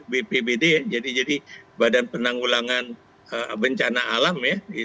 bpbd ya jadi jadi badan penanggulangan bencana alam ya